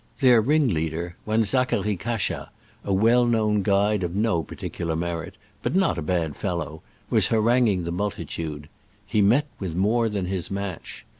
Their ringleader — one Zacharie Cachat, a well known guide, of no particular merit, but not a bad fellow — was haranguing the multitude. He met with more than his match.